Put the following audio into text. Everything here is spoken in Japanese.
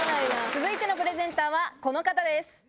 続いてのプレゼンターはこの方です。